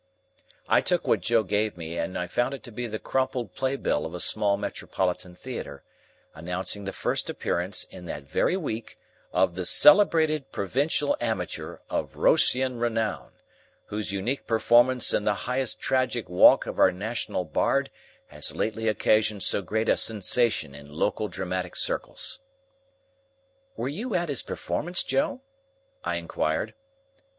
I took what Joe gave me, and found it to be the crumpled play bill of a small metropolitan theatre, announcing the first appearance, in that very week, of "the celebrated Provincial Amateur of Roscian renown, whose unique performance in the highest tragic walk of our National Bard has lately occasioned so great a sensation in local dramatic circles." "Were you at his performance, Joe?" I inquired.